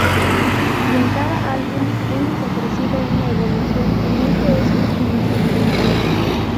Si en cada álbum hemos ofrecido una evolución, en este es mucho más evidente.